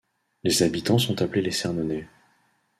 Les habitants sont appelés les Cernonnais.